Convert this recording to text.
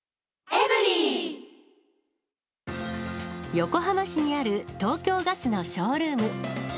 横浜市にある東京ガスのショールーム。